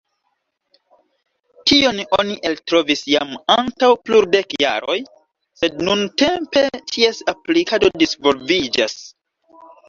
Tion oni eltrovis jam antaŭ plurdek jaroj, sed nuntempe ties aplikado disvolviĝas.